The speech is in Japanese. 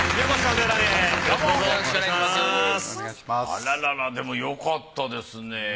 あらららでもよかったですね